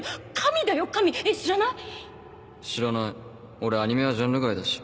俺アニメはジャンル外だし